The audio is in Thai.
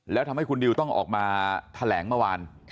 แล้วทำให้คุณดิวต้องออกมาแถลงเมื่อวาน